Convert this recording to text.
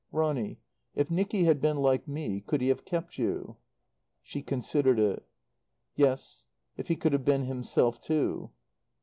"Ronny if Nicky had been like me could he have kept you?" She considered it. "Yes if he could have been himself too."